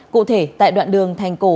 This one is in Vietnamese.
cụ thể tại đoạn đường thành cổ